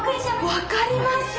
分かります。